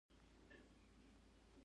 هغه د غزل په سمندر کې د امید څراغ ولید.